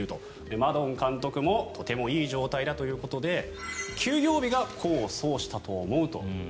マドン監督もとてもいい状態だということで休養日が功を奏したと思うと。